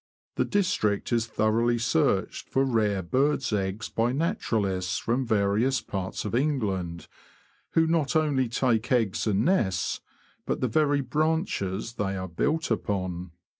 The district is thoroughly searched for rare birds' eggs by naturalists from various parts of England, who not only take eggs and nests, but the very branches they are built upon.